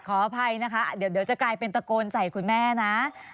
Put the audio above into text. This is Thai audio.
ขออภัยนะคะเดี๋ยวจะกลายเป็นตะโกนใส่คุณแม่นะ